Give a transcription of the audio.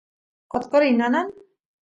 qotqoriy nanan